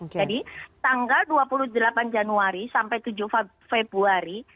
jadi tanggal dua puluh delapan januari sampai tujuh februari